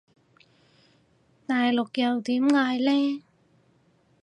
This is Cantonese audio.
大陸又點嗌呢？